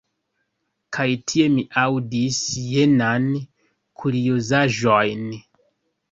Kaj tie mi aŭdis jenan kuriozaĵon.